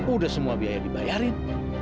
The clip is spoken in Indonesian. udah semua biaya dibayarin